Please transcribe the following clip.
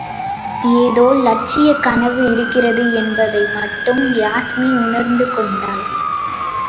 ஏதோ இலட்சியக் கனவு இருக்கிறது என்பதை மட்டும் யாஸ்மி உணர்ந்து கொண்டாள்.